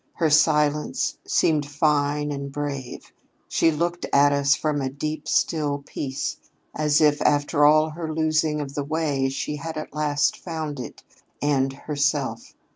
Her silence seemed fine and brave. She looked at us from a deep still peace as if, after all her losing of the way, she had at last found it and Herself.